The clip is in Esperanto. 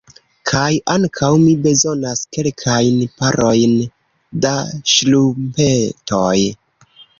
Kaj ankaŭ mi bezonas kelkajn parojn da ŝtrumpetoj.